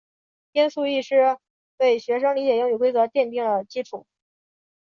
音素意识为学生理解英语规则奠定了基础。